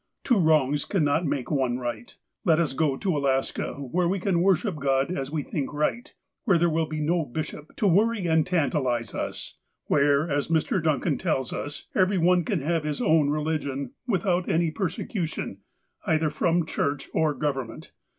Two wrongs cannot make one right. Let us go to Alaska, where we can worship God as we think right — where there will be no bishop to worry and tantalize us — where, as Mr. Duncan tells us, every one can have his own religion without any persecution, either from church or government.